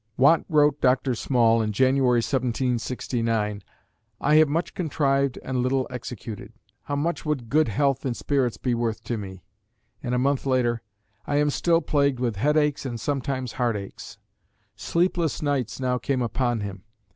Watt wrote Dr. Small in January, 1769, "I have much contrived and little executed. How much would good health and spirits be worth to me!" and a month later, "I am still plagued with headaches and sometimes heartaches." Sleepless nights now came upon him.